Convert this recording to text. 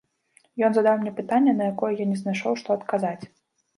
Ён задаў мне пытанне, на якое я не знайшоў, што адказаць.